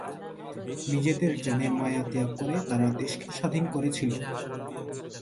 নিজেদের জানের মায়া ত্যাগ করে তারা দেশকে স্বাধীন করেছিল।